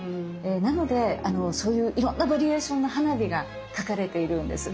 なのでそういういろんなバリエーションの花火が描かれているんです。